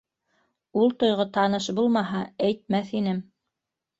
Ул тойғо таныш булмаһа, әйтмәҫ инем...